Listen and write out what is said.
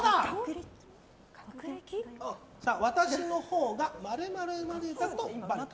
私のほうが○○だとばれた。